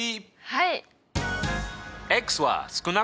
はい！